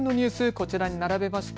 こちらに並べました。